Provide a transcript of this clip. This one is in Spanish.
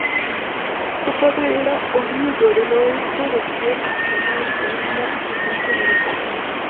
Su padre era oriundo del oeste de Kiev y su madre tenía ascendencia americana.